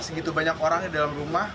segitu banyak orang di dalam rumah